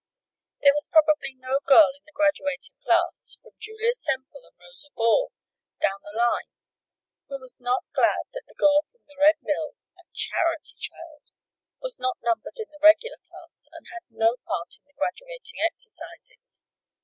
There was probably no girl in the graduating class, from Julia Semple and Rosa Ball, down the line, who was not glad that the girl from the Red Mill a charity child! was not numbered in the regular class and had no part in the graduating exercises.